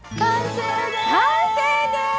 完成です！